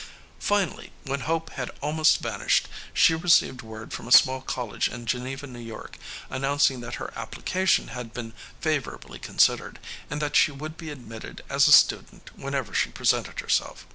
Finally, when hope had almost vanished, she received word from a small college in Geneva, New York, announcing that her application had been favorably considered and that she would be admitted as a student whenever she presented herself.